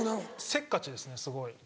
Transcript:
せっかちですねすごい。